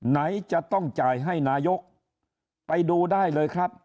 ไหนจะต้องจ่ายให้นายกไปดูได้เลยครับ